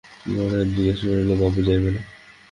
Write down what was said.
গাড়োয়ান জিজ্ঞাসা করিল, বাবু যাইবে না?